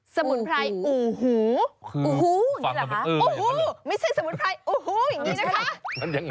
สมุนไพรอู่หูอู่ฮู้อย่างนี้หรอคะอู่ฮู้ไม่ใช่สมุนไพรอู่ฮู้อย่างนี้นะคะ